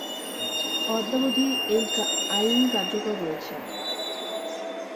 অদ্যাবধি এই আইন কার্যকর রয়েছে।